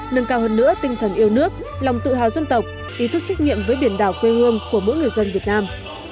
nâng cao hơn nữa tinh thần yêu nước lòng tự hào dân tộc ý thức trách nhiệm với biển đảo quê hương của mỗi người dân việt nam